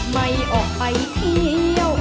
ไม่ออกไปเที่ยว